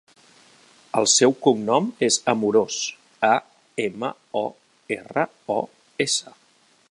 El seu cognom és Amoros: a, ema, o, erra, o, essa.